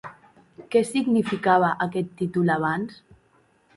Què significava aquest títol abans?